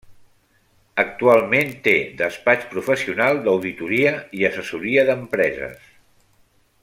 Actualment té despatx professional d'Auditoria i Assessoria d'Empreses.